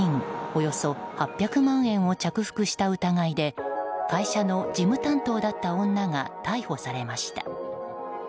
およそ８００万円を着服した疑いで会社の事務担当だった女が逮捕されました。